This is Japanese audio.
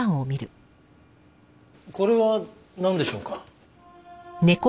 これはなんでしょうか？